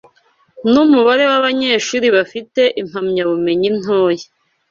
numubare wabanyeshuri bafite impamyabumenyi ntoya